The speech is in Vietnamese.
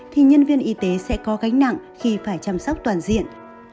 thì nhân viên y tế sẽ có gánh nặng khi phải chăm sóc toàn diện